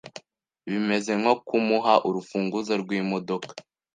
bimeze nko kumuha urufunguzo rw’imodoka